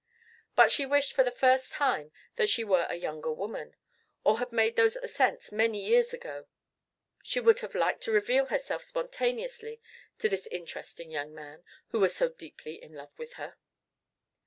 But she wished for the first time that she were a younger woman, or had made those ascents many years ago; she would have liked to reveal herself spontaneously to this interesting young man who was so deeply in love with her.